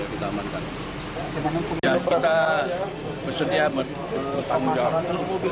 kita bersedia bertanggung jawab